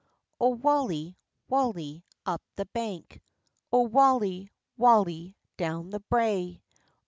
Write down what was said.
O WALY, waly, up the bank, O waly, waly, down the brae.